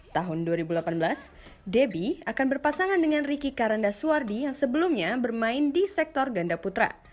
tahun dua ribu delapan belas debbie akan berpasangan dengan ricky karanda suwardi yang sebelumnya bermain di sektor ganda putra